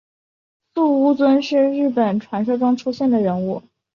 素呜尊是日本传说中出现的人物。